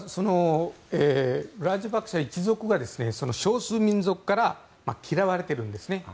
ラジャパクサ一族は少数民族から嫌われているんですね。